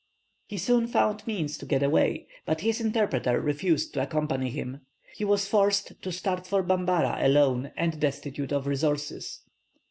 He soon found means to get away, but his interpreter refused to accompany him. He was forced to start for Bambara alone, and destitute of resources.